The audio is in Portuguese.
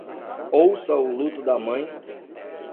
Ouça o luto da mãe